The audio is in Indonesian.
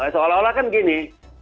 seolah olah kan gini